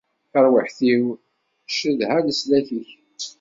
Tarwiḥt-iw tcedha leslak-ik.